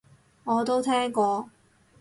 我都聽過